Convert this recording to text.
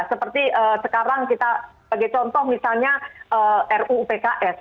seperti sekarang kita sebagai contoh misalnya ruu pks